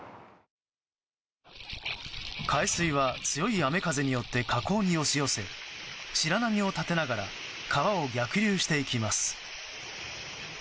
海水は強い雨風によって河口に押し寄せ白波を立てながら川を逆流していきます。